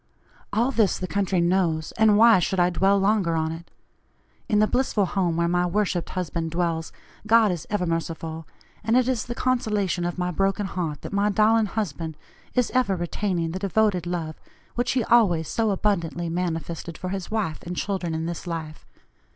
All this the country knows, and why should I dwell longer on it? In the blissful home where my worshipped husband dwells God is ever merciful, and it is the consolation of my broken heart that my darling husband is ever retaining the devoted love which he always so abundantly manifested for his wife and children in this life.